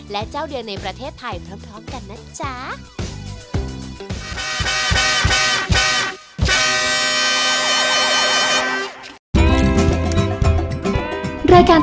และเจ้าเดียวในประเทศไทยพร้อมกันนะจ๊ะ